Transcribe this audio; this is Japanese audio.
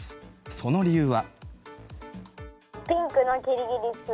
その理由は。